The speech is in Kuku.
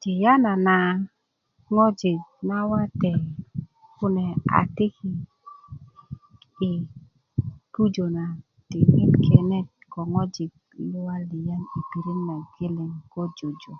tiyanana ŋojik na wate kune a tiki' yi pujö na diŋit na kenda ko ŋojik̵ luwalyan yi pirit nageleŋ ko jojo